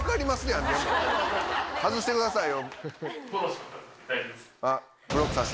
外してくださいよ。